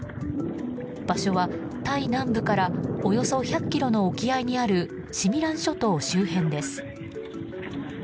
場所はタイ南部からおよそ１００ｋｍの沖合にあるシミラン諸島周辺です。